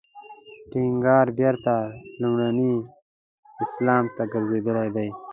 ټینګار بېرته لومړني اسلام ته ګرځېدل دی.